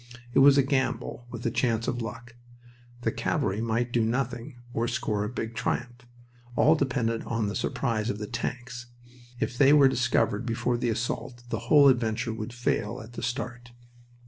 It was a gamble, with a chance of luck. The cavalry might do nothing, or score a big triumph. All depended on the surprise of the tanks. If they were discovered before the assault the whole adventure would fail at the start.